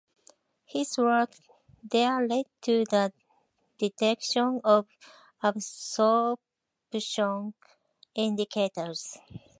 His work there led to the detection of absorption indicators.